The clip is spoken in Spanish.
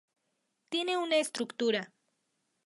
Tiene una estructura